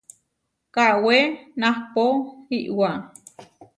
Kawé naʼpó iʼwá.